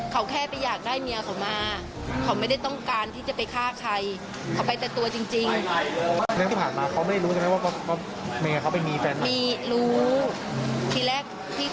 คือรักไม่อยากให้ใครต้องเสียใจอีก